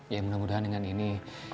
ya mudah mudahan dengan ini